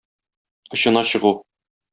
Очына чыгу.